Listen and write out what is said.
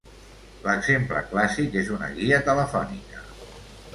L'exemple clàssic és una guia telefònica.